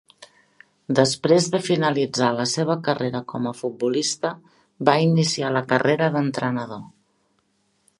Després de finalitzar la seva carrera com futbolista va iniciar la carrera d'entrenador.